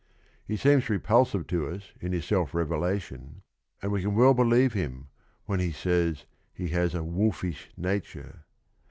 He seems re pulsive to us in his self revelation, and we can well believe him, when he says he has a "wolfish nature."